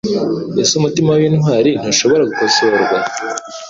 Ese umutima wintwari ntushobora gukosorwa